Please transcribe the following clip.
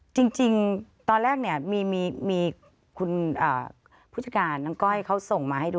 จริงตอนแรกเนี่ยมีคุณผู้จัดการน้องก้อยเขาส่งมาให้ดู